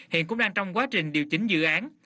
hiện cũng đang trong quá trình điều chỉnh dự án